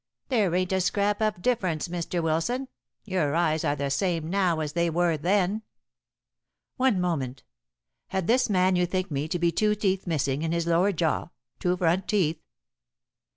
"There ain't a scrap of difference, Mr. Wilson. Your eyes are the same now as they were then." "One moment. Had this man you think me to be two teeth missing in his lower jaw two front teeth?"